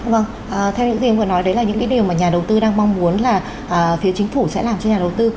vâng theo những gì em vừa nói đấy là những cái điều mà nhà đầu tư đang mong muốn là phía chính phủ sẽ làm cho nhà đầu tư